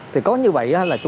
thì có như vậy